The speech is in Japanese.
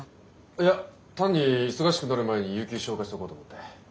いや単に忙しくなる前に有休消化しとこうと思って。